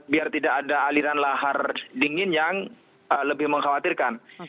biar tidak ada aliran lahar dingin yang lebih mengkhawatirkan